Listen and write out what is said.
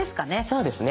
そうですね